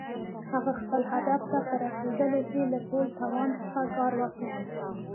هغه خپل هدف ته په رسېدلو کې له ټول توان څخه کار واخيست.